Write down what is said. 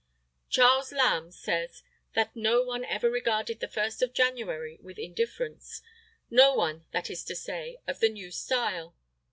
Charles Lamb says that no one ever regarded the first of January with indifference; no one, that is to say, of the new style.